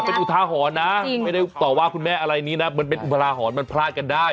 เป็นอุทาหรณ์นะไม่ได้ต่อว่าคุณแม่อะไรนี้นะมันเป็นอุทาหรณ์มันพลาดกันได้